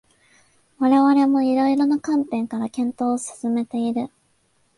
我々も色々な観点から検討を進めている